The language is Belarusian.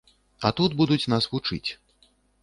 А тут будуць нас вучыць.